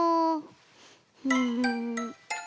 うん。